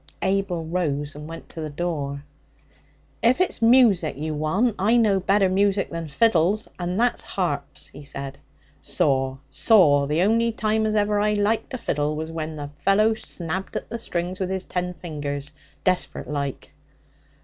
Abel rose and went to the door. 'If it's music you want, I know better music than fiddles, and that's harps,' he said. 'Saw! saw! The only time as ever I liked a fiddle was when the fellow snabbed at the strings with his ten fingers despert like.'